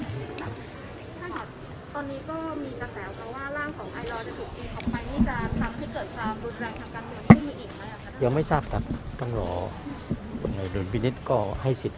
ตอนนี้ก็มีกันแต่ว่าร่างของไอรอจะถูกยินออกไปนี่จากที่เกิดความบุตรแรงทางการเมืองที่มีอีกไหมครับ